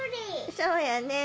そうやねぇ。